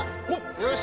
よし。